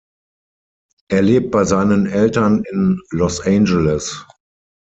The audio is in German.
Er lebt bei seinen Eltern in Los Angeles.